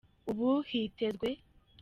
ubu hitezwe